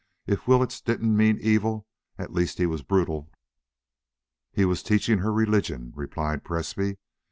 If Willetts didn't mean evil, at least he was brutal." "He was teaching her religion," replied Presbrey.